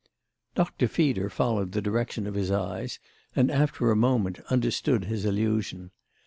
Doctor Feeder followed the direction of his eyes and after a moment understood his allusion.